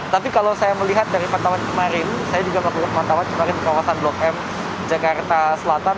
tapi kalau saya melihat dari pantauan kemarin saya juga melakukan pemantauan kemarin di kawasan blok m jakarta selatan